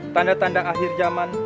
tanda tanda akhir zaman